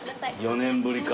４年ぶりか。